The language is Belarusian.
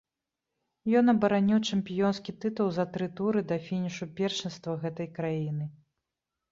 Ён абараніў чэмпіёнскі тытул за тры туры да фінішу першынства гэтай краіны.